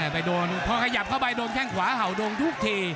ไปโดนพอขยับเข้าไปโดนแข้งขวาเห่าดงทุกที